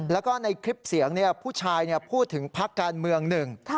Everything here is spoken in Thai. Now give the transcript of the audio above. แล้วก็ในคลิปเสียงผู้ชายพูดถึงพักการเมืองหนึ่ง